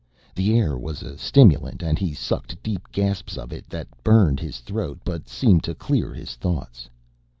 The air was a stimulant and he sucked deep gasps of it that burned his throat but seemed to clear his thoughts.